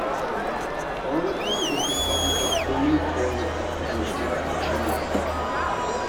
Orlikow was the son of Louis Orlikow and Sarah Cherniack.